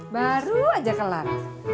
baru aja kelar